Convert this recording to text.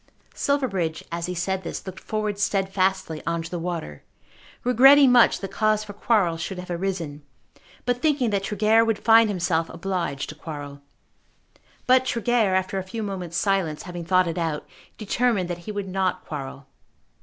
Silverbridge as he said this looked forward steadfastly on to the water, regretting much that cause for quarrel should have arisen, but thinking that Tregear would find himself obliged to quarrel. But Tregear, after a few moments' silence, having thought it out, determined that he would not quarrel.